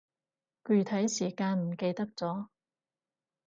具體時間唔記得咗